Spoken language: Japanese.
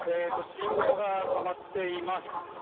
信号が止まっています。